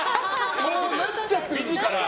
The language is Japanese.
そうなっちゃってるんですから。